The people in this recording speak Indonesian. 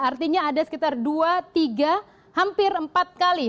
artinya ada sekitar dua tiga hampir empat kali